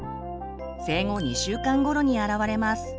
生後２週間ごろにあらわれます。